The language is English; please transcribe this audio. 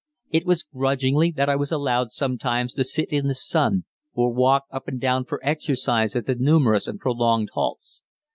It was grudgingly that I was allowed sometimes to sit in the sun or walk up and down for exercise at the numerous and prolonged halts.